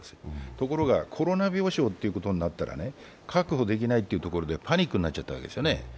ところがコロナ病床となったら確保できないということでパニックになっちゃったわけですよね。